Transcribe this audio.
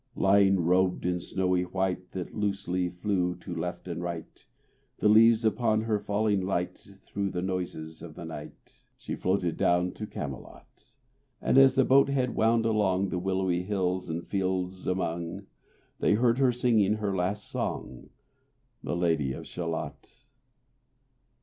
Lying, robed in snowy white That loosely flew to left and right The leaves upon her falling light Through the noises of the night She floated down to Camelot: And as the boat head wound along The willowy hills and fields among. They heard her singing her last song, The Lady of Shalott.